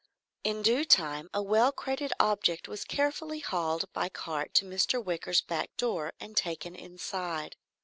In due time a well crated object was carefully hauled by cart to Mr. Wicker's back door and taken inside.